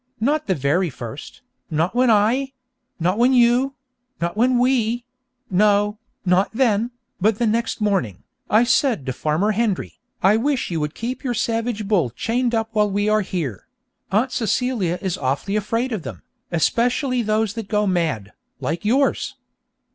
Not the very first, not when I not when you not when we no, not then, but the next morning, I said to Farmer Hendry, "I wish you would keep your savage bull chained up while we are here; Aunt Celia is awfully afraid of them, especially those that go mad, like yours!"